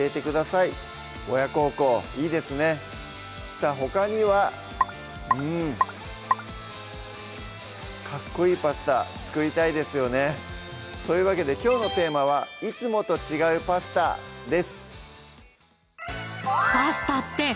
さぁほかにはうんかっこいいパスタ作りたいですよねというわけできょうのテーマは「いつもと違うパスタ」です